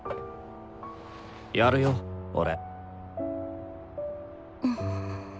やるよ俺。